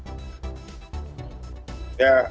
ya catatan utama yang harus saya sampaikan adalah